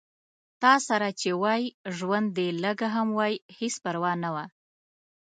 تاسره چې وای ژوند دې لږ هم وای هېڅ پرواه نه وه